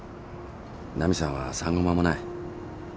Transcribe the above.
奈美さんは産後間もない。